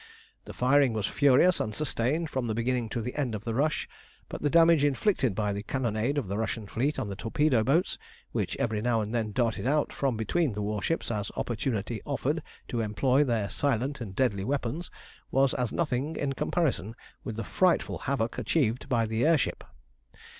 _] The firing was furious and sustained from beginning to end of the rush, but the damage inflicted by the cannonade of the Russian fleet and the torpedo boats, which every now and then darted out from between the warships as opportunity offered to employ their silent and deadly weapons, was as nothing in comparison with the frightful havoc achieved by the air ship.